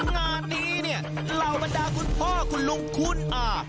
งานนี้เหล่าบรรดาคุณพ่อคุณลูกคุณอ่า